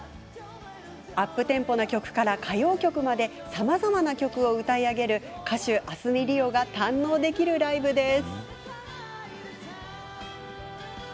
アップテンポな曲から歌謡曲までさまざまな曲を歌い上げる歌手、明日海りおが堪能できるライブです。